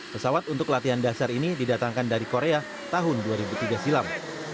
pesawat untuk latihan dasar ini didatangkan dari korea tahun dua ribu tiga silam